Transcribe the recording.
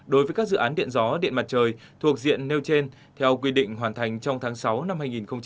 đối với các dự án điện gió điện mặt trời thuộc diện nêu trên theo quy định hoàn thành trong tháng sáu năm hai nghìn hai mươi